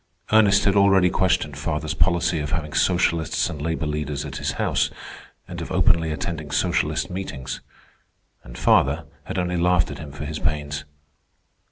Ernest had already questioned father's policy of having socialists and labor leaders at his house, and of openly attending socialist meetings; and father had only laughed at him for his pains.